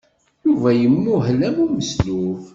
Yuba imuhel am umeslub.